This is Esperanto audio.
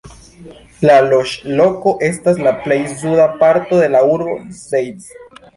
La loĝloko estas la plej suda parto de la urbo Zeitz.